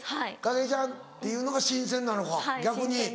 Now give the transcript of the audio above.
「景井ちゃん」っていうのが新鮮なのか逆に。